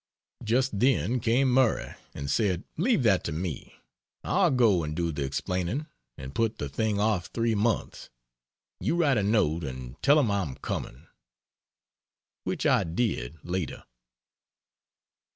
Just then came Murray and said "Leave that to me I'll go and do the explaining and put the thing off 3 months; you write a note and tell him I am coming." (Which I did, later.)